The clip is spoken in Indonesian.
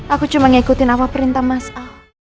aku cuma ngikutin apa perintah mas a